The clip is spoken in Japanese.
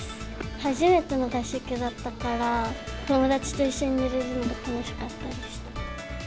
初めての合宿だったから、友達と一緒に寝れるのが楽しかったです。